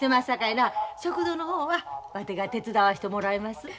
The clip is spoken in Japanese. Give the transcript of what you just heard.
さかいな食堂の方はわてが手伝わしてもらいます。